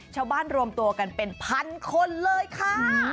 ชาวบ้านรวมตัวกันเป็นพันคนเลยค่ะ